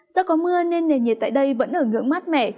do có mưa nên nền nhiệt tại đây vẫn ở ngưỡng mát mẻ